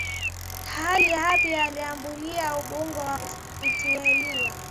ally hapi aliambulia ubunge wa kuteuliwa